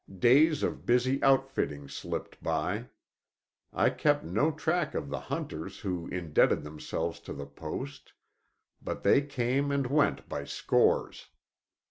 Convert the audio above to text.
Days of busy outfitting slipped by; I kept no track of the hunters who indebted themselves to the post, but they came and went by scores.